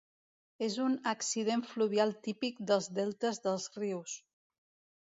És un accident fluvial típic dels deltes dels rius.